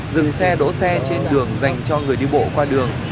dừng xe đỗ xe trên đường dành cho người đi bộ qua đường